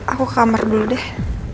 aku kamar dulu deh